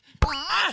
あっ！